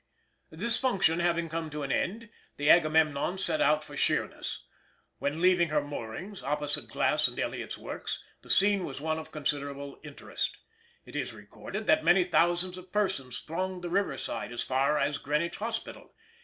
This function having come to an end, the Agamemnon set out for Sheerness. When leaving her moorings, opposite Glass & Elliot's works, the scene was one of considerable interest. It is recorded that many thousands of persons thronged the riverside as far as Greenwich Hospital.